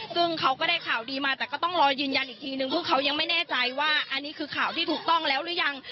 ซึ่งเขาก็ได้ข่าวดีมาแต่ก็ต้องรอยืนยันอีกทีนึงเพราะเขายังไม่แน่ใจว่าอันนี้คือข่าวที่ถูกต้องแล้วหรือยัง